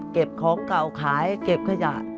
เก็บของเก่าขายเก็บขยะ